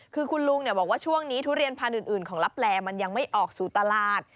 คือคุณลุงบอกว่าช่วงนี้ทุเรียนพันธุ์อื่นของลับแลมันยังไม่ออกสู่ตลาด